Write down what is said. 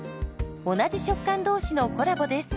同じ食感同士のコラボです。